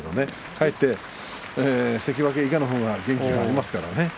かえって関脇以下の方が元気があります。